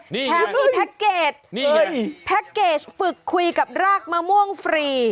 แทบที่แพ็กเกจแพ็กเกจฝึกคุยกับรากมะม่วงฟรี